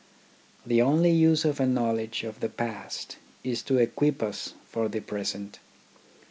The only use of a knowledge of the past is to equip us for the present.